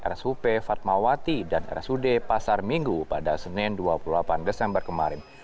rs up fatmawati dan rs ud pasar minggu pada senin dua puluh delapan desember kemarin